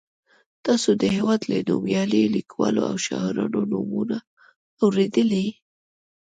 تاسو د هېواد له نومیالیو لیکوالو او شاعرانو نومونه اورېدلي.